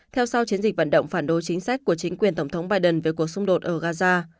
theo sau chiến dịch vận động phản đối chính sách của chính quyền tổng thống biden về cuộc xung đột ở gaza